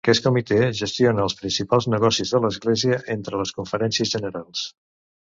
Aquest comitè gestiona els principals negocis de l'església entre les conferències generals.